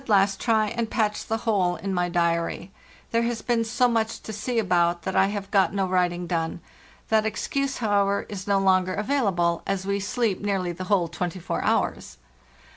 LAND AL LAST 373 There has been so much to see about that I have got no writing done; that excuse, however, is no longer availa ble, as we sleep nearly the whole twenty four hours."